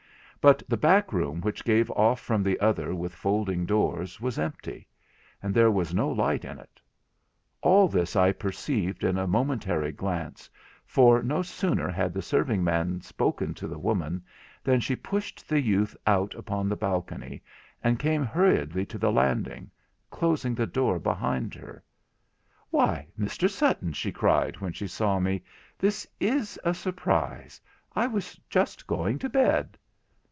But the back room which gave off from the other with folding doors, was empty; and there was no light in it. All this I perceived in a momentary glance, for no sooner had the serving man spoken to the woman, than she pushed the youth out upon the balcony, and came hurriedly to the landing, closing the door behind her. 'Why, Mr Sutton,' she cried, when she saw me, 'this is a surprise; I was just going to bed.'